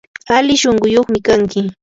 ali shunquyuqmi kanki.